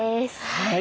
はい。